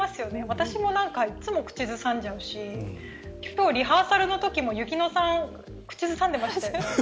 私もいつも口ずさんじゃうし今日、リハーサルの時も雪乃さん口ずさんでいましたよね？